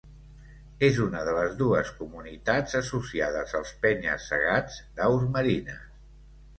És una de les dues comunitats associades als penya-segats d'aus marines.